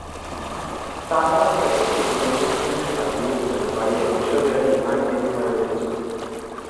তারপর থেকে, তিনি যৌন সহিংসতার বিরুদ্ধে লড়াইয়ে বিশ্বব্যাপী আইনজীবী হয়ে উঠেছেন।